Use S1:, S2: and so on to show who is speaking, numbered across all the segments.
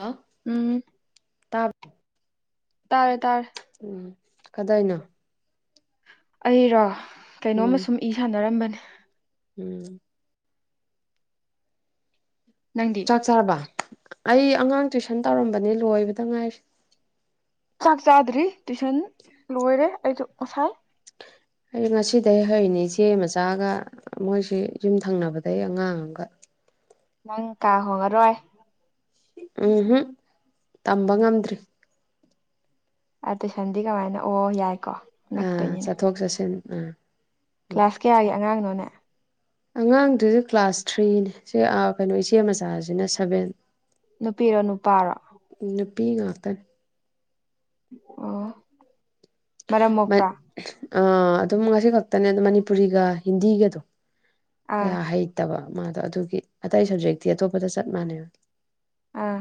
S1: ꯑꯥ
S2: ꯎꯝ
S1: ꯇꯦꯕꯇꯥ ꯂꯩ꯫
S2: ꯇꯥꯔꯦ ꯇꯥꯔꯦ
S1: ꯎꯝ ꯀꯗꯧꯅꯣ
S2: ꯑꯩꯔꯣ ꯀꯩꯅꯣꯝꯃ
S1: ꯎꯝ
S2: ꯁꯨꯝ ꯏ ꯁꯥꯟꯅꯔꯝꯕꯅꯦ
S1: ꯎꯝ
S2: ꯅꯪꯗꯤ
S1: ꯆꯥꯛꯆꯔꯕ ꯑꯩ ꯑꯉꯥꯡ ꯇ꯭ꯋꯏꯁꯟ ꯇꯧꯔꯝꯕꯅꯤ ꯂꯣꯏꯕꯗ ꯉꯥꯏꯁꯤ
S2: ꯆꯥꯛ ꯆꯥꯗ꯭ꯔꯤ ꯇꯨꯏꯁꯟ ꯂꯣꯏꯔꯦ ꯑꯩꯁꯨ ꯉꯁꯥꯏ
S1: ꯑꯩ ꯉꯁꯤꯗꯒꯤ ꯍꯩꯏꯅꯤ ꯏꯆꯦ ꯃꯆꯥꯒ ꯃꯣꯏꯁꯤ ꯌꯨꯝ ꯊꯪꯅꯕꯗꯩ ꯑꯉꯥꯡ ꯑꯃꯒ
S2: ꯅꯪ ꯀꯥ ꯍꯣꯡꯉꯔꯣꯏ
S1: ꯎꯝ ꯍꯨꯝ ꯇꯝꯕ ꯉꯝꯗ꯭ꯔꯤ
S2: ꯇꯨꯏꯁꯟꯗꯤ ꯀꯃꯥꯏꯅ ꯑꯣ ꯌꯥꯏꯀꯣ
S1: ꯑ
S2: ꯅꯛꯇꯣꯏꯅꯤꯅꯦ
S1: ꯆꯠꯊꯣꯛ ꯆꯠꯁꯤꯟ ꯑ
S2: ꯀ꯭ꯂꯥꯁ ꯀꯌꯥꯒꯤ ꯑꯉꯥꯡꯅꯣꯅꯦ
S1: ꯑꯉꯥꯡꯗꯨꯅ ꯀ꯭ꯂꯥꯁ ꯊ꯭ꯔꯤꯅꯦ ꯁꯤ ꯀꯩꯅꯣ ꯏꯆꯦ ꯃꯆꯥꯁꯤꯅ ꯁꯚꯦꯟ
S2: ꯅꯨꯄꯤꯔꯣ ꯅꯨꯄꯥꯔꯣ
S1: ꯅꯨꯄꯤ ꯉꯥꯛꯇ
S2: ꯑꯣꯍ꯫
S1: ꯑꯗꯨꯝ ꯉꯁꯤ ꯈꯛꯇꯅꯦꯝ ꯃꯅꯤꯄꯨꯔꯤꯒ ꯍꯤꯟꯗꯤꯒꯗꯣ
S2: ꯑꯥ
S1: ꯀꯌꯥ ꯍꯩꯇꯕ ꯃꯥꯗꯣ ꯑꯗꯨꯒꯤ ꯑꯇꯩ ꯁꯕꯖꯦꯛꯇꯤ ꯑꯇꯣꯞꯄꯗ ꯆꯞ ꯃꯥꯟꯅꯦ
S2: ꯑꯥ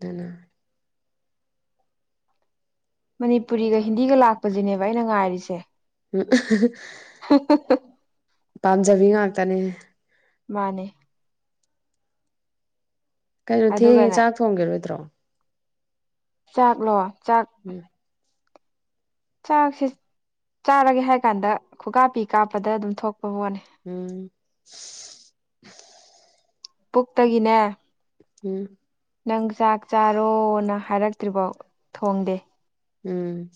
S1: ꯗꯨꯅ
S2: ꯃꯅꯤꯄꯨꯔꯤꯒ ꯍꯤꯟꯗꯤꯒ ꯂꯥꯛꯄꯁꯤꯅꯦꯕ ꯑꯩꯅ ꯉꯥꯏꯔꯤꯁꯦ
S1: ꯎꯝ
S2: ꯍ ꯍ ꯍ
S1: ꯄꯥꯝꯖꯕꯤ ꯉꯥꯛꯇꯅꯦ
S2: ꯃꯥꯅꯦ
S1: ꯀꯩꯅꯣ ꯊꯦꯡꯉꯦ
S2: ꯑꯗꯨꯒꯅꯦ
S1: ꯆꯥꯛ ꯊꯣꯡꯒꯤꯔꯣꯏꯗ꯭ꯔꯣ
S2: ꯆꯥꯛꯂꯣ ꯆꯥꯛ
S1: ꯎꯝ
S2: ꯆꯥꯛꯁꯤꯦ ꯆꯥꯔꯒꯦ ꯍꯥꯏ ꯀꯥꯟꯗ ꯈꯨꯒꯥꯥ ꯄꯤ ꯀꯥꯞꯄꯗ ꯑꯗꯨꯝ ꯊꯣꯛꯄ ꯄꯣꯠꯅꯤ
S1: ꯎꯝ
S2: ꯄꯨꯛꯇꯒꯤꯅꯦ
S1: ꯎꯝ
S2: ꯅꯪ ꯆꯥꯛ ꯆꯥꯔꯣꯅ ꯍꯥꯏꯔꯛꯇ꯭ꯔꯤꯕꯧ ꯊꯣꯡꯗꯦ
S1: ꯎꯝ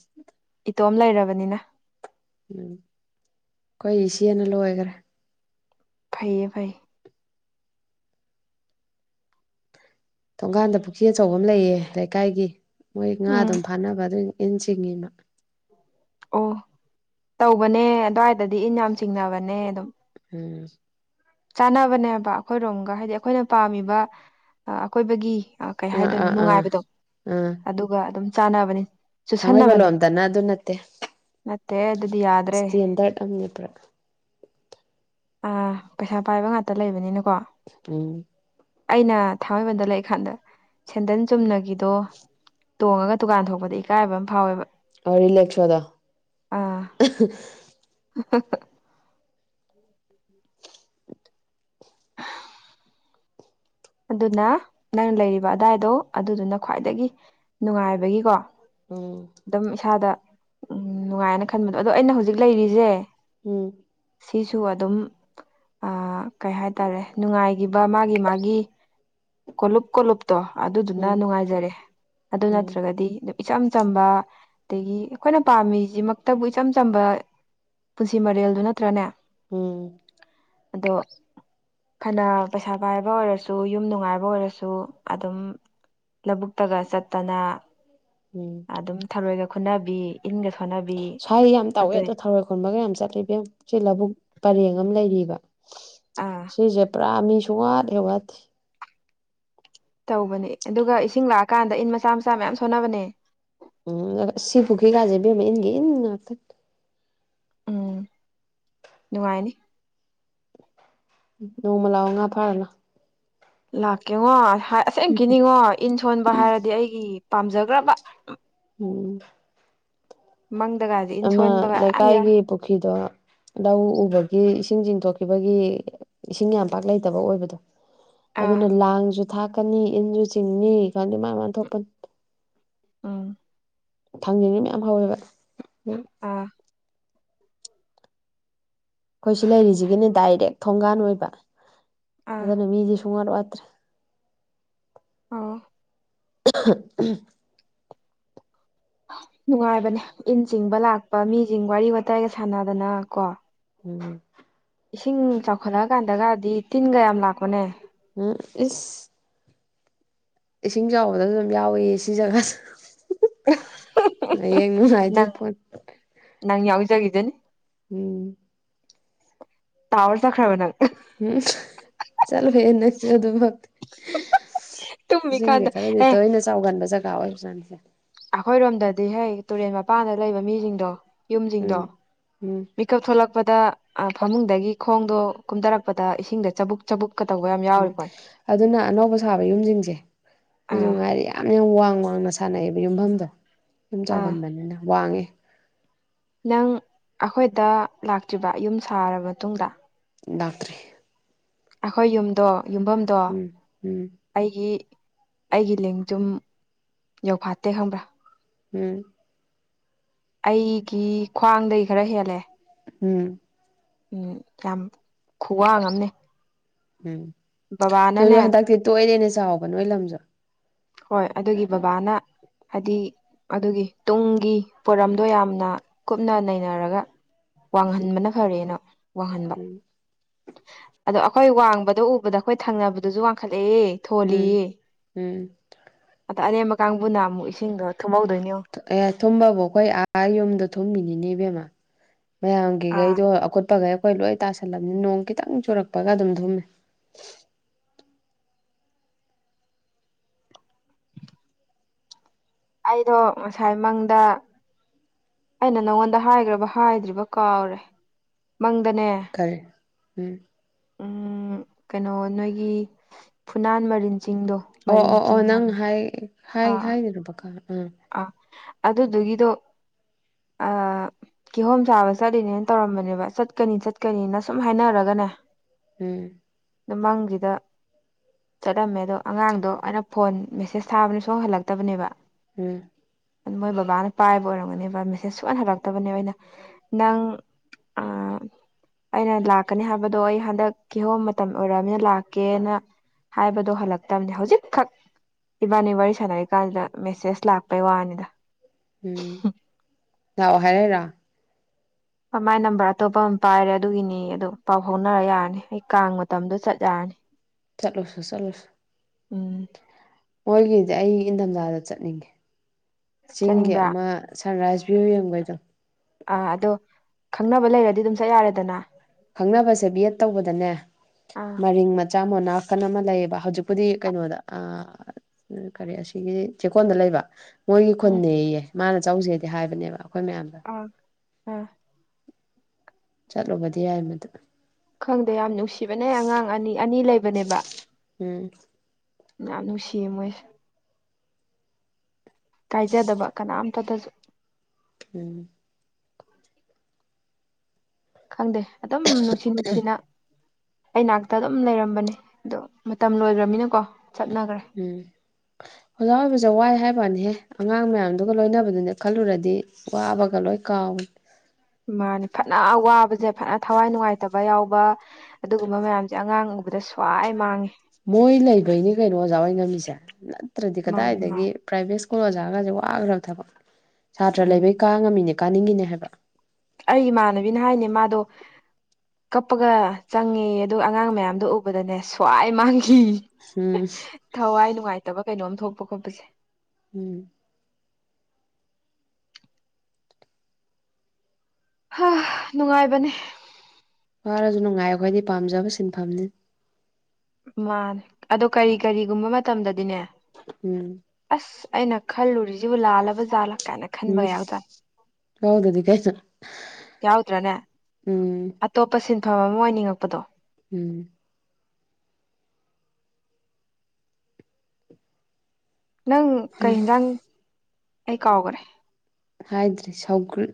S2: ꯏꯇꯣꯝ ꯂꯩꯔꯕꯅꯤꯅ
S1: ꯎꯝ ꯑꯩꯈꯣꯏ ꯏꯆꯦꯅ ꯂꯣꯏꯒ꯭ꯔꯦ
S2: ꯐꯩꯌꯦ ꯐꯩ
S1: ꯊꯣꯡꯀꯥꯟꯗ ꯄꯨꯈ꯭ꯔꯤ ꯑꯆꯧꯕ ꯑꯃ ꯂꯩꯌꯦ ꯂꯩꯀꯥꯏꯒꯤ ꯃꯣꯏ ꯉꯥ
S2: ꯎꯝ
S1: ꯑꯗꯨꯝ ꯐꯥꯅꯕ ꯑꯗꯨꯝ ꯏꯟ ꯆꯤꯡꯉꯤꯕ
S2: ꯑꯣ ꯇꯧꯕꯅꯦ ꯑꯗꯨꯋꯥꯏꯗꯗꯤ ꯏꯟ ꯌꯥꯝ ꯆꯤꯡꯅꯕꯅꯦ ꯑꯗꯨꯝ
S1: ꯎꯝ
S2: ꯆꯥꯅꯕꯅꯦꯕ ꯑꯩꯈꯣꯏꯔꯣꯝꯒ ꯍꯥꯏꯗꯤ ꯑꯩꯈꯣꯏꯅ ꯄꯥꯝꯃꯤꯕ ꯑꯀꯣꯏꯕꯒꯤ ꯑ‌ ꯀꯩ
S1: ꯑꯥ
S2: ꯍꯥꯏꯗꯣꯏꯅꯣ
S1: ꯑꯥ ꯑꯥ
S2: ꯅꯨꯡꯉꯥꯏꯕꯗꯣ
S1: ꯑꯥ
S2: ꯑꯗꯨꯒ ꯑꯗꯨꯝ ꯆꯥꯟꯅꯕꯅꯤ ꯆꯨꯁꯟꯅꯕꯅꯦ
S1: ꯊꯥꯡꯃꯩꯕꯟꯂꯣꯝꯗꯅ ꯑꯗꯨ ꯅꯠꯇꯦ
S2: ꯅꯠꯇꯦ ꯑꯗꯨꯗꯤ ꯌꯥꯗ꯭ꯔꯦ
S1: ꯏꯁꯇꯦꯟꯗꯔꯠ ꯑꯃꯅꯦ ꯄꯨꯔꯥ
S2: ꯑꯥ ꯄꯩꯁꯥ ꯄꯥꯏꯕ ꯉꯥꯛꯇ ꯂꯩꯕꯅꯤꯅꯀꯣ
S1: ꯎꯝ
S2: ꯑꯩꯅ ꯊꯥꯡꯃꯩꯕꯟꯗ ꯂꯩꯔꯤꯀꯥꯟꯗ ꯁꯦꯟꯗꯟ ꯆꯨꯝꯅꯒꯤꯗꯣ ꯇꯣꯡꯉꯒ ꯗꯨꯀꯥꯟ ꯊꯣꯛꯄꯗ ꯏꯀꯥꯏꯕ ꯑꯃ ꯐꯥꯎꯋꯦꯕ
S1: ꯑꯔꯔꯤꯂꯁꯗ
S2: ꯍ [unintelligible] ꯑꯗꯨꯅ ꯅꯪ ꯂꯩꯔꯤꯕ ꯑꯗꯥꯏꯗꯣ ꯑꯗꯨꯗꯨꯅ ꯈ꯭ꯋꯥꯏꯗꯒꯤ ꯅꯨꯡꯉꯥꯏꯕꯒꯤꯀꯣ
S1: ꯎꯝ
S2: ꯑꯗꯨꯝ ꯏꯁꯥꯗ ꯎꯝ ꯅꯨꯡꯉꯥꯏꯑꯦꯅ ꯈꯟꯕꯗꯣ ꯑꯗꯣ ꯑꯩꯅ ꯍꯧꯖꯤꯛ ꯂꯩꯔꯤꯁꯦ
S1: ꯎꯝ
S2: ꯁꯤꯁꯨ ꯑꯗꯨꯝ ꯑ ꯀꯩ ꯍꯥꯏꯇꯥꯔꯦ ꯅꯨꯡꯉꯥꯏꯒꯤꯕ ꯃꯥꯒꯤ ꯃꯥꯒꯤ ꯀꯣꯂꯨꯞ ꯀꯣꯂꯨꯞꯨꯞꯇꯣ ꯑꯗꯨꯗꯨꯅ
S1: ꯎꯝ
S2: ꯅꯨꯡꯉꯥꯏꯖꯔꯦ ꯑꯗꯨ
S1: ꯎꯝ
S2: ꯅꯠꯇ꯭ꯔꯒꯗꯤ ꯏꯆꯝ ꯆꯝꯕ ꯑꯗꯒꯤ ꯑꯩꯈꯣꯏꯅ ꯄꯥꯝꯃꯤꯁꯤꯃꯛꯇꯕꯨ ꯏꯆꯝ ꯆꯝꯕ ꯄꯨꯟꯁꯤ ꯃꯔꯦꯜꯗꯨ ꯅꯠꯇ꯭ꯔꯅꯦ
S1: ꯎꯝ
S2: ꯑꯗꯣ ꯐꯅ ꯄꯩꯁꯥ ꯄꯥꯏꯕ ꯑꯣꯏꯔꯁꯨ ꯑꯣ ꯌꯨꯝ ꯅꯨꯡꯉꯥꯏꯕ ꯑꯣꯏꯔꯁꯨ ꯑꯗꯨꯝ ꯂꯧꯕꯨꯛ ꯇꯒ ꯆꯠꯇꯅ
S1: ꯎꯝ
S2: ꯑꯗꯨꯝ ꯊꯔꯣꯏꯒ ꯈꯨꯟꯅꯕꯤ ꯏꯟꯒ ꯁꯣꯟꯅꯕꯤ
S1: ꯁ꯭ꯋꯥꯏ ꯌꯥꯝ ꯇꯧꯋꯦ
S2: ꯑꯗꯩ
S1: ꯑꯗꯣ ꯊꯧꯔꯣꯏ ꯈꯣꯟꯕꯒ ꯌꯥꯝ ꯆꯠꯂꯤ ꯏꯕꯦꯝꯃ ꯁꯤ ꯂꯕꯨꯨꯛ ꯄꯔꯦꯡ ꯑꯝ ꯂꯩꯔꯤꯕ
S2: ꯑꯥ
S1: ꯁꯤꯁꯦ ꯄꯨꯔꯥ ꯃꯤ ꯁꯨꯡꯋꯥꯠ ꯍꯦꯛ ꯋꯥꯠꯇꯦ
S2: ꯇꯧꯕꯅꯦ ꯑꯗꯨꯒ ꯏꯁꯤꯡ ꯂꯥꯛꯑꯀꯥꯟꯗ ꯏꯟ ꯃꯆꯥ ꯃꯆꯥ ꯃꯌꯥꯝ ꯁꯣꯟꯅꯕꯅꯦ
S1: ꯎꯝ ꯁꯤꯄꯨꯈꯤꯒꯥꯖ‌ꯦ ꯏꯕꯤꯝꯃ ꯏꯟꯒꯤ ꯏꯟ ꯉꯥꯛꯇꯅ‌‌ꯦ
S2: ꯎꯝ ꯅꯨꯡꯉꯥꯏꯅꯤ
S1: ꯅꯣꯡꯃ ꯂꯥꯛꯑꯣ ꯉꯥ ꯐꯥꯔꯅ
S2: ꯂꯥꯛꯀꯦꯉꯣ ꯍꯥꯏ ꯑꯁꯦꯡ ꯀꯤꯅꯤꯡꯉꯣ ꯏꯟ ꯁꯣꯟꯕ ꯍꯥꯏꯔꯗꯤ ꯑꯩꯒꯤ ꯄꯥꯝꯖꯒ꯭ꯔꯕ
S1: ꯎꯝ
S2: ꯃꯪꯗꯒꯗꯤ
S1: ꯑꯃ ꯂꯩꯀꯥꯏꯒꯤ ꯄꯨꯈ꯭ꯔꯤꯗꯣ ꯂꯧ ꯎꯕꯒꯤ ꯏꯁꯤꯡ ꯆꯤꯡꯊꯣꯛꯈꯤꯕꯒꯤ ꯏꯁꯤꯡ ꯌꯥꯝ ꯄꯥꯛ ꯂꯩꯇꯕ ꯑꯣꯏꯕꯗꯣ
S2: ꯑꯥ
S1: ꯑꯗꯨꯅ ꯂꯥꯡꯁꯨ ꯊꯥꯛꯀꯅꯤ ꯏꯟꯁꯨ ꯆꯤꯡꯅꯤ ꯈꯪꯗꯦ ꯃꯥꯥꯏ ꯃꯥꯥꯏ ꯊꯣꯛꯄꯅꯤ
S2: ꯎꯝ
S1: ꯊꯥꯡꯖꯅꯤꯡꯕ ꯌꯥꯝꯌꯥꯝ ꯍꯧꯋꯦꯕ ꯎ
S2: ꯑꯥ
S1: ꯑꯩꯈꯣꯏ ꯁꯤ ꯂꯩꯔꯤꯁꯤꯒꯤꯅꯦ ꯗꯥꯏꯔꯦꯛ ꯊꯣꯡꯒꯥꯟ ꯑꯣꯏꯕ
S2: ꯑꯥ
S1: ꯑꯗꯨꯅ ꯃꯤꯗꯤ ꯁꯨꯡꯋꯥꯠ ꯋꯥꯠꯇ꯭ꯔꯦ꯫
S2: ꯑꯣ
S1: [unintelligible]
S2: ꯅꯨꯡꯉꯥꯏꯕꯅꯦ ꯏꯟ ꯆꯤꯡꯕ ꯂꯥꯛꯄ ꯃꯤꯁꯤꯡ ꯋꯥꯔꯤ ꯋꯥꯇꯥꯏꯒ ꯁꯥꯟꯅꯗꯅ ꯀꯣ
S1: ꯎꯝ
S2: ꯏꯁꯤꯡ ꯆꯥꯎꯈꯠꯂꯛꯑꯀꯥꯟꯗꯒꯗꯤ ꯇꯤꯟꯒ ꯌꯥꯝ ꯂꯥꯛꯄꯅꯦ꯫
S1: ꯎꯝ ꯏꯁ ꯏꯁꯤꯡ ꯆꯥꯎꯕꯗꯁꯨ ꯑꯗꯨꯝ ꯌꯥꯎꯏꯤ ꯁꯤ ꯖꯒꯥꯁꯨ ꯍꯌꯦꯡ ꯅꯨꯡꯉꯥꯏꯗꯣꯏ
S2: ꯅꯪ
S1: ꯄꯣꯠ
S2: ꯅꯪ ꯌꯥꯎꯖꯒꯗꯦꯅꯦꯅꯤ꯫
S1: ꯎꯝ
S2: ꯇꯥꯋꯔ ꯆꯈ꯭ꯔꯕ ꯅꯪ
S1: ꯎꯝ ꯆꯜ ꯐꯦꯔꯟꯅꯁꯨ ꯑꯣꯗꯣ ꯃ ꯏꯁꯤꯡꯗꯤ
S2: ꯇꯨꯝꯃꯤꯀꯥꯟꯗ
S1: ꯈꯔꯗꯤ
S2: ꯑꯦ
S1: ꯇꯣꯏꯅ ꯆꯥꯎꯒꯟꯕ ꯖꯒꯥ ꯑꯣꯏꯕꯥꯅꯤꯁꯦ꯫
S2: ꯑꯩꯈꯣꯏꯔꯣꯝꯗꯗꯤ ꯍꯦꯛ ꯇꯨꯔꯦꯟ ꯃꯄꯥꯟꯗ ꯂꯩꯕ ꯃꯤꯁꯤꯡꯗꯣ ꯌꯨꯝꯁꯤꯡꯗꯣ
S1: ꯎꯝ ꯎꯝ
S2: ꯀꯞ ꯊꯣꯛꯂꯛꯄꯗ ꯐꯃꯨꯡꯗꯒꯤ ꯈꯣꯡꯗꯣ ꯀꯨꯝꯊꯔꯛꯄꯗ ꯏꯁꯤꯡꯗ ꯆꯕꯨꯛ ꯆꯕꯕꯨꯛꯀꯥꯕ
S1: ꯎꯝ ꯑꯗꯨꯅ ꯑꯅꯧꯕ ꯁꯥꯕ ꯌꯨꯝꯁꯤꯡꯁꯦ꯫ ꯁꯤꯁꯨ
S2: ꯑꯥ
S1: ꯉꯥꯏꯔꯦ ꯌꯥꯝ ꯌꯥꯝ ꯋꯥꯡ ꯋꯥꯡꯅ ꯁꯥꯟꯅꯩꯑꯕ ꯌꯨꯝꯐꯝꯗꯣ ꯌꯨꯝ
S2: ꯑꯥ
S1: ꯆꯥꯎꯍꯟꯕꯅꯤꯅ ꯋꯥꯡꯉꯦ꯫
S2: ꯅꯪ ꯑꯩꯈꯣꯏꯗ ꯂꯥꯛꯇ꯭ꯔꯤꯕ ꯌꯨꯝ ꯁꯥ ꯃꯇꯨꯡꯗ
S1: ꯗꯥꯛꯇꯔꯔꯤ꯫
S2: ꯑꯩꯈꯣꯏ ꯌꯨꯝꯗꯣ ꯌꯨꯝꯐꯝ
S1: ꯎꯝ ꯎꯝ
S2: ꯑꯩꯒꯤ ꯑꯩꯒꯤ ꯂꯦꯡ ꯁꯨꯝ ꯌꯧꯐꯥꯠꯇꯦ ꯈꯪꯕ꯭ꯔꯥ
S1: ꯎꯝ
S2: ꯑꯩꯒꯤ ꯈ꯭ꯋꯥꯡꯗꯒꯤ ꯈꯔ ꯍꯦꯜꯂꯦ꯫
S1: ꯎꯝ
S2: ꯎꯝ ꯌꯥꯝ ꯈꯨꯋꯥꯡ ꯑꯃꯝꯅꯦ꯫
S1: ꯎꯝ ꯑꯗꯨꯁꯨ ꯍꯟꯗꯛꯇꯤ ꯇꯣꯛꯏꯔꯦꯅꯦ ꯆꯥꯎꯕ ꯅꯣꯏ ꯂꯝꯁꯨ
S2: ꯍꯣꯏ ꯑꯗꯨꯒꯤ ꯕꯕꯥꯅ ꯍꯥꯏꯗꯤ ꯑꯗꯨꯒꯤ ꯇꯨꯡꯒꯤ ꯄꯣꯔꯝꯗꯣ ꯌꯥꯝꯅ ꯀꯨꯞꯅ ꯅꯩꯅꯔꯒ ꯋꯥꯡꯍꯟꯕꯅ ꯐꯔꯦꯅ ꯋꯥꯡꯍꯟꯕ
S1: ꯎꯝ
S2: ꯑꯗꯣ ꯑꯩꯈꯣꯏ ꯋꯥꯡꯕꯗꯣ ꯎꯕꯗ ꯑꯩꯈꯣꯏ ꯊꯪꯅꯕꯗꯁꯨ ꯋꯥꯡꯈꯠꯂꯛꯑꯦ
S1: ꯎꯝ ꯎꯝ
S2: ꯑꯗꯣ ꯑꯔꯦꯝꯕ ꯀꯥꯡꯕꯨꯅ ꯑꯃꯨꯛ ꯏꯁꯤꯡꯗꯣ ꯊꯨꯝꯍꯧꯗꯣꯏꯅꯤ
S1: ꯑꯦ ꯊꯨꯝꯕꯕꯨ ꯑꯩꯈꯣꯏ ꯑꯥ ꯌꯨꯝꯗ ꯊꯨꯝꯒꯤꯅꯤꯅꯦ ꯏꯕꯦꯝꯃ
S2: ꯑꯥ
S1: ꯃꯌꯥꯝꯒꯤꯈꯩꯗꯣ ꯑꯀꯨꯠꯄꯈꯩ ꯑꯩꯈꯣꯏ ꯂꯣꯏ ꯇꯥꯁꯜꯂꯝꯅꯤ ꯅꯣꯡ ꯈꯤꯇꯪ ꯆꯨꯔꯛꯄꯒ ꯑꯗꯨꯝ ꯊꯨꯝꯃꯦ꯫
S2: ꯑꯩꯗꯣ ꯉꯁꯥꯏ ꯃꯪꯗ ꯑꯩꯅ ꯅꯪꯉꯣꯟꯗ ꯍꯥꯏꯈ꯭ꯔꯕ ꯍꯥꯏꯗ꯭ꯔꯤꯕ ꯀꯥꯎꯔꯦ ꯃꯪꯗꯅꯦ
S1: ꯈꯔꯦ ꯎꯝ
S2: ꯎ ꯀꯩꯅꯣ ꯅꯣꯏꯒꯤ ꯐꯨꯅꯥꯟ ꯃꯔꯤꯟꯁꯤꯡꯗꯣ
S1: ꯑꯣ ꯑꯣ ꯑꯣ ꯅꯪ ꯍꯥꯏ ꯍꯥꯏ
S2: ꯑꯥ
S1: ꯍꯥꯏꯕꯀꯥꯟ-
S2: ꯑꯥ ꯑꯗꯨꯗꯨꯒꯤꯗꯣ ꯑꯥ
S1: [inaudible]
S2: ꯀꯤꯍꯣꯝ ꯆꯥꯕ ꯆꯠꯂꯤꯅꯦꯅ ꯇꯧꯔꯝꯕꯅꯦꯕ ꯆꯠꯀꯅꯤ ꯆꯠꯀꯅꯤꯅ ꯁꯨꯝ ꯍꯥꯏꯅꯔꯒꯅꯦ꯫
S1: ꯎꯝ
S2: ꯅꯨꯃꯪꯡꯖꯤꯗ ꯆꯠꯂꯝꯃꯦ ꯑꯗꯣ ꯑꯉꯥꯡꯗꯣ ꯑꯩꯅ ꯐꯣꯟ ꯃꯦꯁꯦꯁ ꯊꯥꯕꯗ ꯁꯨꯡ ꯍꯟ ꯍꯜꯂꯛꯇꯕꯅꯦꯕ
S1: ꯎꯝ
S2: ꯃꯣꯏ ꯕꯕꯥꯅ ꯄꯥꯏꯕ ꯑꯣꯏꯔꯝꯒꯅꯦꯕ ꯃꯦꯁꯦꯁ ꯁꯨꯛꯍꯟ ꯍꯜꯂꯛꯇꯕꯅꯦ ꯑꯩꯅ ꯅꯪ ꯑ ꯑꯩꯅ ꯂꯥꯛꯀꯅꯤ ꯍꯥꯏꯕꯗꯣ ꯑꯩ ꯍꯟꯗꯛ ꯀꯤꯍꯣꯝ ꯃꯇꯝ ꯑꯣꯏꯔꯅꯤꯅ ꯂꯥꯛꯀꯦꯅ ꯍꯥꯏꯕꯗꯣ ꯍꯜꯂꯛꯇꯕꯅꯦ ꯍꯧꯖꯤꯛꯈꯛ ꯏꯕꯥꯅꯤ ꯋꯥꯔꯤ ꯁꯥꯟꯅꯔꯤꯀꯥꯟꯗꯨꯗ ꯃꯦꯁꯦꯁ ꯂꯥꯛꯄ ꯄꯩ ꯋꯥꯅꯤꯗ
S1: ꯎꯝ ꯂꯥꯛ ꯑꯣ ꯍꯥꯏꯔꯛꯏꯔꯣ
S2: ꯃꯥꯏ ꯅꯝꯕꯔ ꯑꯇꯣꯞꯄ ꯑꯃ ꯄꯥꯏꯔꯦ ꯑꯗꯨꯒꯤꯅꯤ ꯑꯗꯨ ꯄꯥꯎ ꯍꯧꯥꯎꯅꯔ ꯌꯥꯔꯅꯤ ꯑꯩ ꯀꯥꯡ ꯃꯇꯝꯗꯣ ꯆꯠ ꯌꯥꯔꯅꯤ
S1: ꯆꯠꯂꯨꯆꯣ ꯆꯠꯂꯨꯆꯣ
S2: ꯎꯝ
S1: ꯃꯣꯏꯒꯤꯗꯤ ꯑꯩ ꯏꯟꯊꯝꯊꯥꯗ ꯆꯠꯅꯤꯡꯉꯦ ꯆꯤꯡꯒꯤ
S2: ꯆꯠꯅꯤꯡꯕ꯭ꯔꯥ
S1: ꯑꯃ ꯁꯟꯔꯥꯏꯁ ꯚ꯭ꯌꯨ ꯌꯦꯡꯕꯩꯗꯣ
S2: ꯑꯥ ꯑꯗꯣ ꯈꯪꯅꯕ ꯂꯩꯔꯗꯤ ꯑꯗꯨꯝ ꯆꯠ ꯌꯥꯔꯦꯗꯅ
S1: ꯈꯪꯅꯕꯁꯦ ꯕꯤ ꯑꯦꯠ ꯇꯧꯕꯗꯅꯦ
S2: ꯑꯥ
S1: ꯃꯔꯤꯡ ꯃꯆꯥ ꯃꯅꯥꯀꯟ ꯑꯃ ꯂꯩꯌꯦꯕ ꯍꯧꯖꯤꯛꯄꯨꯗꯤ ꯀꯩꯅꯣꯗ ꯑ ꯑꯗꯨ ꯀꯔꯤ ꯑꯁꯤꯒꯤ ꯆꯦꯛꯀꯣꯟꯗ ꯂꯩꯕ ꯃꯣꯏꯒꯤ
S2: ꯎꯝ
S1: ꯈꯨꯟꯅꯌꯦ ꯃꯥꯅ ꯆꯧꯁꯦꯗꯤ ꯍꯥꯏꯕꯅꯦꯕ ꯑꯩꯈꯣꯏ ꯃꯌꯥꯝꯗ
S2: ꯑ ꯑ
S1: ꯆꯠꯂꯨꯕꯗꯤ ꯌꯥꯏ ꯃꯗꯨ
S2: ꯈꯪꯗꯦ ꯌꯥꯝ ꯅꯨꯡꯁꯤꯕꯅꯦ ꯑꯉꯥꯡ ꯑꯅꯤ ꯑꯅꯤ ꯂꯩꯕꯅꯦꯕ
S1: ꯎꯝ
S2: ꯌꯥꯝꯅꯅꯨꯡ ꯁꯤ ꯑꯃꯣꯏ ꯀꯥꯏꯖꯗꯕ ꯀꯅꯥꯝꯇꯗꯁꯨ
S1: ꯎꯝ
S2: ꯈꯪꯗꯦ ꯑꯗꯨꯝ ꯅꯨꯡꯁꯤ ꯅꯨꯡꯁꯤꯅ ꯑꯩꯅꯥꯛꯇ ꯑꯗꯨꯝ ꯂꯩꯔꯝꯕꯅꯦ ꯑꯗꯣ ꯃꯇꯝ ꯂꯣꯏꯈ꯭ꯔꯃꯤꯅꯀꯣ ꯆꯠꯅꯈ꯭ꯔꯦ
S1: ꯎꯝ ꯑꯣꯖꯥ ꯑꯣꯏꯕꯁꯦ ꯋꯥꯏ ꯍꯥꯏꯕꯅꯤꯍꯦ ꯑꯉꯥꯡ ꯃꯌꯥꯝꯗꯨꯒ ꯂꯣꯏꯅꯕꯗꯨꯅꯦ ꯈꯜꯂꯨꯔꯗꯤ ꯋꯥꯕꯒ ꯂꯣꯏ ꯀꯥꯎꯕꯅꯦ
S2: ꯃꯥꯅꯤ ꯐꯅ ꯋꯥꯕꯁꯦ ꯐꯅ ꯊꯋꯥꯏ ꯅꯨꯡꯉꯥꯏꯇꯕ ꯌꯥꯎꯕ ꯑꯗꯨꯒꯨꯝꯕ ꯃꯌꯥꯝꯁꯦ ꯑꯉꯥꯡ ꯎꯕꯗ ꯁ꯭ꯋꯥꯏ ꯃꯥꯡꯉꯦ
S1: ꯃꯣꯏ ꯂꯩꯕꯩꯅꯤ ꯀꯩꯅꯣ ꯑꯣꯖꯥꯑꯣꯏ ꯉꯝꯃꯤꯁꯦ ꯅꯠꯇ꯭ꯔꯗꯤ
S2: ꯃꯥꯅꯤ
S1: ꯀꯗꯥꯏꯗꯒꯤ
S2: ꯃꯥꯅꯤ
S1: ꯄ꯭ꯔꯥꯏꯚꯦꯠ ꯁ꯭ꯀꯨꯜ ꯑꯣꯖꯥꯒꯁꯦ ꯋꯥꯈ꯭ꯔꯕ ꯊꯕꯛꯅꯦ ꯁꯥꯇ꯭ꯔ
S2: ꯎꯝ
S1: ꯂꯩꯕꯩ ꯀꯥꯉꯝꯃꯤꯅꯦ ꯀꯥꯅꯤꯡꯉꯤꯅꯦ ꯍꯥꯏꯕ
S2: ꯑꯩ ꯏꯃꯥꯟꯅꯕꯤꯅ ꯍꯥꯏꯅꯦ ꯃꯥꯗꯣ ꯀꯞꯄꯒ ꯆꯪꯉꯦ ꯑꯗꯨꯒ ꯑꯉꯥꯡ ꯃꯌꯥꯝꯗꯨ ꯎꯕꯗꯅꯦ ꯁ꯭ꯋꯥꯏ ꯃꯥꯡꯈꯤ
S1: ꯍꯝ
S2: ꯊꯋꯥꯏ ꯅꯨꯡꯉꯥꯏꯇꯕ ꯀꯩꯅꯣꯝ ꯊꯣꯛꯄ ꯈꯣꯠꯄꯁꯦ
S1: ꯎꯝ
S2: ꯍꯥ ꯅꯨꯡꯉꯥꯏꯕꯅꯦ
S1: ꯋꯥꯔꯁꯨ ꯅꯨꯡꯉꯥꯏ ꯑꯩꯈꯣꯏꯗꯤ ꯄꯥꯝꯖꯕ ꯁꯤꯟꯐꯝꯅꯤꯅ
S2: ꯃꯥꯅꯦ ꯑꯗꯣ ꯀꯔꯤ ꯀꯔꯤꯒꯨꯝꯕ ꯃꯇꯝꯗꯗꯤꯅꯦ
S1: ꯎꯝ
S2: ꯑꯁ ꯑꯩꯅ ꯈꯜꯂꯨꯔꯤꯁꯤꯕꯨ ꯂꯥꯜꯂꯕ ꯖꯥꯠꯂꯛ ꯀꯥꯏꯅ
S1: ꯎꯝ
S2: ꯈꯟꯕꯒ ꯌꯥꯎꯖꯥꯠꯅꯤ
S1: ꯌꯥꯎꯗꯗꯤ ꯀꯩꯅꯣ
S2: ꯌꯥꯎꯗ꯭ꯔꯅꯦ
S1: ꯎꯝ
S2: ꯑꯇꯣꯞꯄ ꯁꯤꯟꯐꯝ ꯑꯃ ꯑꯣꯏꯅꯤꯡꯉꯛꯄꯗꯣ
S1: ꯎꯝ
S2: ꯅꯪ ꯀꯩ ꯍꯦꯟꯖꯥꯡ ꯑꯩ ꯀꯥꯎꯈꯔꯦ
S1: ꯍꯥꯏꯗ꯭ꯔꯔꯤ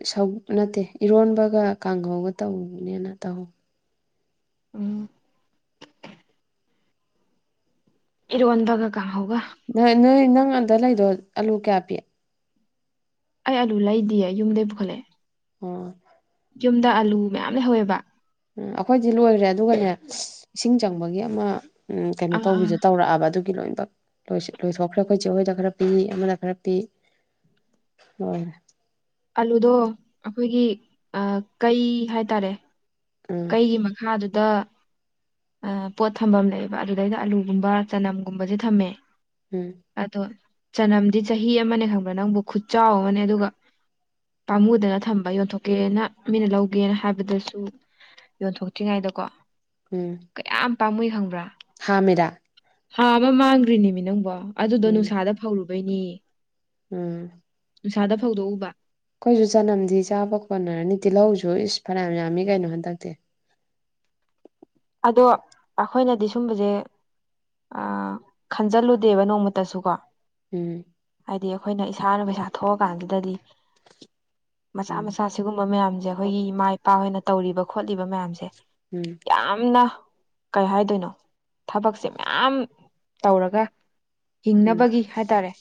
S1: ꯅꯠꯇꯦ ꯏꯔꯣꯟꯕꯒ ꯀꯥꯡꯍꯧꯒ ꯇꯧꯕꯅꯦꯅ ꯇꯧꯍꯧ
S2: ꯎꯝ ꯏꯔꯣꯟꯗꯒ ꯀꯥ ꯍꯒ
S1: ꯅ ꯅꯣꯏ ꯅꯪ ꯑꯟꯗ ꯂꯩꯗꯣ ꯑꯂꯨ ꯀꯌꯥ ꯄꯤ
S2: ꯑꯩ ꯑꯂꯨ ꯂꯩꯗꯤꯌꯦ ꯌꯨꯝꯗꯩ ꯄꯨꯈꯠꯂꯛꯑꯦ
S1: ꯎꯝ
S2: ꯌꯨꯝꯗ ꯑꯂꯨ ꯃꯌꯥꯝ ꯂꯩꯍꯧꯋꯦꯕ
S1: ꯎꯝ ꯑꯩꯈꯣꯏꯗꯤ ꯂꯣꯏꯈ꯭ꯔꯦ ꯑꯗꯨꯒꯅꯦ ꯏꯁꯤꯡ ꯆꯪꯕꯒꯤ ꯑꯃ ꯎꯝ ꯀꯩꯅꯣ
S2: ꯑꯥ ꯑꯥ
S1: ꯇꯧꯕꯤꯁꯦ ꯇꯧꯔꯛꯑꯕ ꯑꯗꯨꯒꯤ ꯂꯣꯏꯕꯛ ꯂꯣꯏꯊꯣꯛꯈ꯭ꯔꯦ ꯑꯩꯈꯣꯏ ꯦ ꯑꯩꯣꯏꯗ ꯈꯔ ꯄꯤ ꯑꯃꯗ ꯈꯔ ꯄꯤ ꯍꯣꯏꯣꯏ
S2: ꯑꯂꯨꯗꯣ ꯑꯩꯈꯣꯏꯒꯤ ꯀꯩ ꯍꯥꯏꯇꯥꯔꯦ
S1: ꯎꯝ
S2: ꯑꯩꯒꯤ ꯃꯈꯥꯗꯨꯗ ꯄꯣꯠ ꯊꯝꯐꯝ ꯂꯩꯑꯦꯕ ꯑꯗꯨꯗꯩꯗ ꯑꯥꯂꯨꯒꯨꯝꯕ ꯆꯅꯝꯒꯨꯝꯕꯁꯦ ꯊꯝꯃꯦ
S1: ꯎꯝ
S2: ꯑꯗꯣ ꯆꯅꯝꯗꯤ ꯆꯍꯤ ꯑꯃꯅꯦ ꯈꯪꯕ꯭ꯔꯥ ꯅꯪꯕꯨ ꯈꯨꯠ ꯆꯥꯎ ꯑꯃꯅꯦ ꯑꯗꯨꯒ ꯄꯥꯝꯃꯨꯗꯅ ꯊꯝꯕ ꯌꯣꯟꯊꯣꯛꯀꯦꯅ ꯃꯤꯅ ꯂꯧꯒꯦꯅ ꯍꯥꯏꯕꯗꯁꯨ ꯌꯣꯟꯊꯣꯛꯇ꯭ꯔꯤꯉꯩꯗꯀꯣ
S1: ꯎꯝ
S2: ꯀꯌꯥꯝ ꯄꯥꯝꯃꯨꯏ ꯈꯪꯕ꯭ꯔꯥ
S1: ꯍꯥꯃꯦꯗꯥ
S2: ꯍꯥꯥ ꯑꯃ ꯃꯥꯡꯈ꯭ꯔꯤꯅꯦꯃꯤ ꯅꯪꯕꯣ ꯑꯗꯨꯗꯣ
S1: ꯎꯝ
S2: ꯅꯨꯡꯁꯥꯗ ꯐꯧꯔꯨꯕꯩꯅꯤ
S1: ꯎꯝ
S2: ꯅꯨꯡꯁꯥꯗ ꯐꯧꯗꯣꯛꯎꯕ
S1: ꯑꯩꯈꯣꯏꯁꯨ ꯆꯅꯝꯗꯤ ꯆꯥꯕ ꯈꯣꯟꯠꯅꯔꯅꯤ ꯇꯤꯜꯍꯧꯁꯨ ꯏꯁ ꯐꯅꯌꯥꯝ ꯌꯥꯝꯃꯤ ꯀꯩꯅꯣ ꯍꯟꯗꯛꯇꯤ
S2: ꯑꯗꯣ ꯑꯩꯈꯣꯏꯅꯗꯤ ꯁꯨꯝꯕꯁꯦ ꯑ ꯈꯟꯖꯜꯂꯨꯗꯦꯕ ꯅꯣꯡꯃꯇꯁꯨ ꯀꯣ
S1: ꯎꯝ
S2: ꯍꯥꯏꯗꯤ ꯑꯩꯈꯣꯏꯅ ꯏꯁꯥꯅ ꯄꯩꯁꯥ ꯊꯣꯛꯑꯀꯥꯟꯁꯤꯗꯗꯤ ꯃꯆꯥ
S1: ꯎꯝ
S2: ꯃꯆꯥ ꯁꯤꯒꯨꯝꯕ ꯃꯌꯥꯝꯁꯦ ꯑꯩꯈꯣꯏꯒꯤ ꯏꯃꯥ ꯏꯄꯥꯍꯣꯏꯅ ꯇꯧꯔꯤꯕ ꯈꯣꯠꯂꯤꯕ ꯃꯌꯥꯝꯁꯦ
S1: ꯎꯝ
S2: ꯌꯥꯝꯅ ꯀꯩ ꯍꯥꯏꯗꯣꯏꯅꯣ ꯊꯕꯛꯁꯦ ꯃꯌꯥꯝ ꯇꯧꯔꯒ
S1: ꯎꯝ
S2: ꯍꯤꯡꯅꯕꯒꯤ ꯍꯥꯏꯇꯥꯔꯦ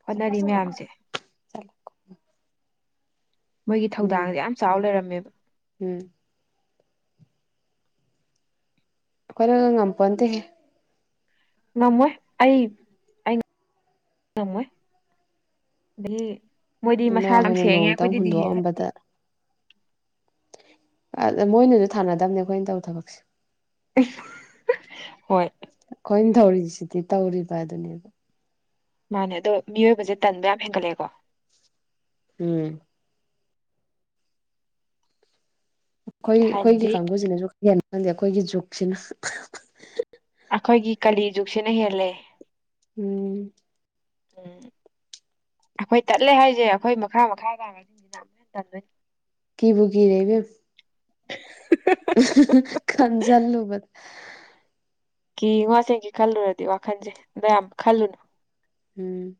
S2: ꯍꯣꯠꯅꯔꯤ ꯃꯌꯥꯝꯁꯦ ꯃꯣꯏꯒꯤ ꯊꯧꯗꯥꯡꯁꯦ ꯌꯥꯝ ꯆꯥꯎ ꯂꯩꯔꯝꯃꯦꯕ
S1: ꯎꯝ ꯑꯩꯈꯣꯏꯅ ꯉꯝꯄꯣꯟꯇꯦꯍꯦ
S2: ꯉꯝꯃꯣꯏ ꯑꯩ ꯑꯩ ꯉꯝꯃꯣꯏ ꯑꯗꯒꯤ ꯃꯣꯏꯗꯤ
S1: ꯏꯃꯥ
S2: ꯃꯁꯥ ꯌꯥꯝ
S1: ꯍꯣꯏꯅ
S2: ꯁꯦꯡꯉꯦ
S1: ꯅꯣꯡꯇꯪ
S2: ꯑꯩꯈꯣꯏꯗꯤ ꯗꯤꯍꯦ ꯐꯠꯇꯦ
S1: ꯍꯨꯟꯗꯣꯛꯑꯝꯕꯗ ꯃꯣꯏꯅꯁꯨ ꯊꯥꯅꯗꯕꯅꯦ ꯑꯩꯈꯣꯏꯅ ꯇꯧ ꯊꯕꯛꯁꯦ
S2: [unintelligible] ꯍꯣꯏ
S1: ꯑꯣꯏꯅ ꯇꯧꯔꯤꯁꯤꯗꯤ ꯇꯧꯔꯤꯕ ꯑꯗꯨꯅꯦꯕ
S2: ꯃꯥꯅꯦ ꯑꯗꯣ ꯃꯤꯑꯣꯏꯕꯁꯦ ꯇꯟꯕ ꯌꯥꯝ ꯍꯦꯟꯒꯠꯂꯑꯦꯀꯣ
S1: ꯎꯝ ꯑꯩꯈꯣꯏ ꯑꯩꯈꯣꯏꯒꯤ
S2: ꯊꯥꯏꯅꯗꯤ
S1: ꯀꯥꯡꯕꯨꯁꯤꯅꯁꯨ ꯍꯦꯟꯅ ꯈꯜꯂꯤꯦ ꯑꯩꯈꯣꯏꯒꯤ ꯖꯨꯛꯁꯤꯅ
S2: ꯑꯩꯈꯣꯏꯒꯤ ꯀꯥꯂꯤ ꯖꯨꯛꯁꯤꯅ ꯍꯦꯜꯂꯦ
S1: ꯎꯝ
S2: ꯎꯝ ꯑꯩꯈꯣꯏ ꯇꯠꯂꯦ ꯍꯥꯏꯁꯦ ꯑꯩꯈꯣꯏ ꯃꯈꯥ ꯃꯈꯥ ꯇꯥꯕꯁꯤꯡꯁꯤꯅ ꯑꯃꯨꯛ ꯍꯦꯟ ꯇꯟꯗꯣꯏꯅꯤ
S1: ꯀꯤꯕꯨ ꯀꯤꯔꯦ ꯏꯕꯦꯝ
S2: ꯍ [unintelligible]
S1: [unintelligible] ꯈꯟꯖꯜꯂꯣꯕ
S2: ꯀꯤꯉꯣ ꯑꯁꯦꯡꯀꯤ ꯈꯜꯂꯨꯔꯗꯤ ꯋꯥꯈꯟꯁꯦ ꯃꯌꯥꯝ ꯈꯜꯂꯨꯅꯨ
S1: ꯎꯝ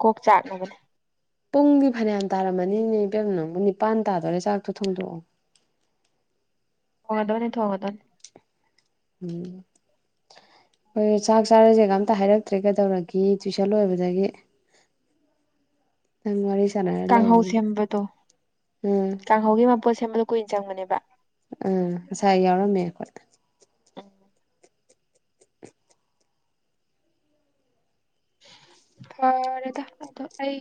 S2: ꯀꯣꯛ ꯆꯥꯛꯅꯕꯅꯦ
S1: ꯄꯨꯡꯗꯤ ꯐꯅꯌꯥꯝ ꯇꯥꯔꯝꯃꯅꯤꯅꯦ ꯏꯕꯦꯝ ꯅꯪꯕꯨ ꯅꯤꯄꯥꯟ ꯇꯥꯗꯣꯔꯦ ꯆꯥꯛꯇꯣ ꯊꯣꯡꯗꯣꯛꯑꯣ
S2: ꯊꯣꯡꯉꯗꯧꯅꯦ ꯊꯣꯡꯉꯒꯗꯣꯏꯅꯤ
S1: ꯎꯝ ꯍꯣꯏ ꯆꯥꯛ ꯆꯥꯔꯁꯦꯒ ꯑꯝꯇ ꯍꯥꯏꯔꯛꯇ꯭ꯔꯦ ꯀꯩꯗꯧꯔꯦ ꯇꯨꯋꯏꯁꯟ ꯂꯣꯏꯕꯗꯒꯤ ꯑꯉꯔꯤ ꯆꯔ
S2: ꯀꯥꯡꯍꯧ
S1: ꯂꯕꯗ ꯎꯝ
S2: ꯑꯒꯤ ꯃꯄꯣꯠ ꯁꯦꯝꯕꯗꯣ ꯀꯨꯏꯅ ꯆꯪꯕꯅꯦꯕ
S1: ꯎꯝ ꯉꯁꯥꯏ ꯌꯥꯎꯔꯝꯃꯦ ꯑꯩꯈꯣꯏ
S2: ꯎꯝ ꯐꯔꯦꯗꯗ ꯑꯩ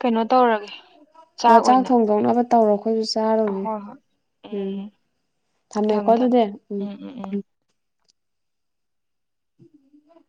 S2: ꯀꯩꯅꯣ ꯇꯧꯔꯒꯦ
S1: ꯑꯣ ꯆꯥꯛ ꯊꯣꯡꯗꯣꯛꯅꯕ ꯇꯧꯔꯣ ꯑꯩꯈꯣꯏꯁꯨ ꯆꯥꯔꯨꯒꯦ
S2: ꯍꯣꯏ ꯍꯣꯏ
S1: ꯎꯝ ꯊꯝꯃꯦꯀꯣ ꯑꯗꯨꯗꯤ ꯎꯝ ꯎꯝ